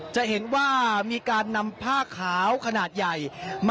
จะเห็นว่ามีการนำผ้าขาวขนาดใหญ่